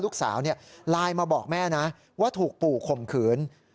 ลูกสาวไลน์มาบอกแม่นะว่าถูกปู่ข่มขืน